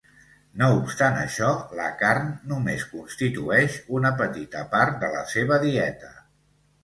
No obstant això, la carn només constitueix una petita part de la seva dieta.